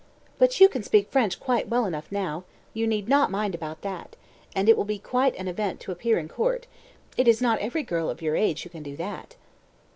"But you can speak French quite well enough now you need not mind about that; and it will be quite an event to appear in court. It is not every girl of your age who can do that."